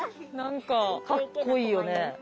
かっこいいよね。